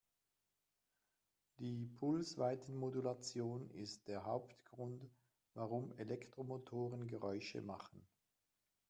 Die Pulsweitenmodulation ist der Hauptgrund, warum Elektromotoren Geräusche machen.